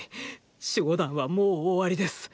守護団はもう終わりです。